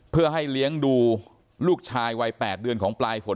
เพื่อให้เลี้ยงดูลูกชายวัย๘เดือนของปลายฝน